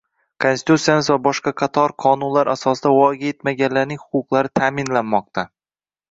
Konstitutsiyamiz va boshqa qator qonunlar asosida voyaga yetmaganlarning huquqlari ta’minlanmoqda